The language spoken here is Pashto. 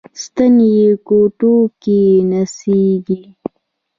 ستن یې ګوتو کې نڅیږي